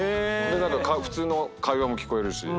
普通の会話も聞こえるし。